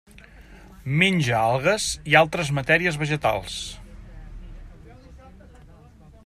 Menja algues i altres matèries vegetals.